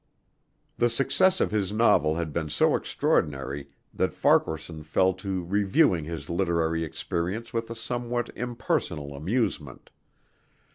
The success of his novel had been so extraordinary that Farquaharson fell to reviewing his literary experience with a somewhat impersonal amusement.